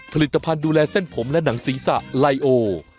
ผลิตภัณฑ์ดูแลเส้นผมและหนังศีรษะไลโอ